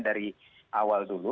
dari awal dulu